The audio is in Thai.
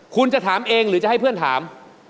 คุณจะถามเองหรือจะให้เพื่อนถาม